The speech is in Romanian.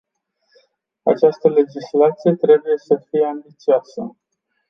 Această legislație trebuie să fie ambițioasă.